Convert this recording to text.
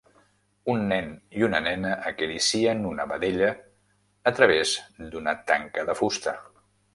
Un nen i una nena acaricien una vedella a través d'una tanca de fusta.